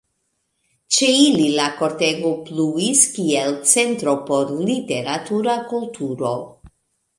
Ĉe ili la kortego pluis kiel centro por literatura kulturo.